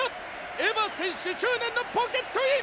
エヴァ選手執念のポケットイン！